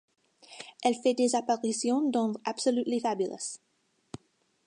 Elle fait des apparitions dans Absolutely Fabulous.